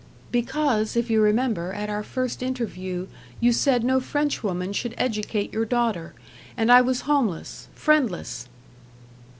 "Because, if you remember, at our first interview, you said no Frenchwoman should educate your daughter. And I was homeless friendless."